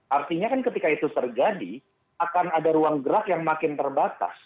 artinya kan ketika itu terjadi akan ada ruang gerak yang makin terbatas